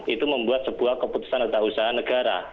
itu membuat sebuah keputusan atau usaha negara